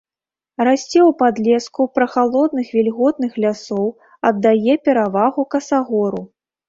Расце ў падлеску прахалодных вільготных лясоў, аддае перавагу касагору.